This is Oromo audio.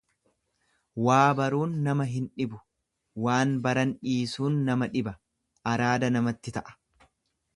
Waa baruun nama hin dhibu, waan baran dhiisuun nama dhiba, araada namatti ta'a.